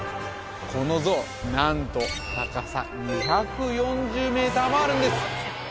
この像何と高さ２４０ｍもあるんです！